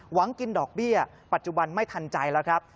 หวังกินดอกเบี้ยปัจจุบันไม่ทันใจแล้วครับ